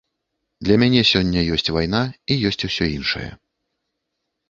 Для мяне сёння ёсць вайна і ёсць усё іншае.